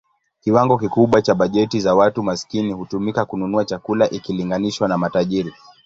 Kiwango kikubwa cha bajeti za watu maskini hutumika kununua chakula ikilinganishwa na matajiri.